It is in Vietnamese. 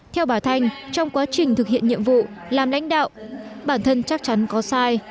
theo bà thanh trong quá trình thực hiện nhiệm vụ làm lãnh đạo bản thân chắc chắn có sai